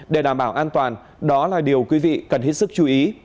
để đảm bảo an toàn đó là điều quý vị cần hết sức chú ý